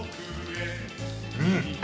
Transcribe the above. うん！